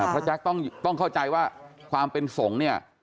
เพราะจังต้องเข้าใจว่าความเป็นสงตร์นี้